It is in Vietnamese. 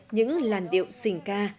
những làn điệu sỉnh ca